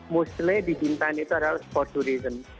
mostly di bintan itu adalah sporturism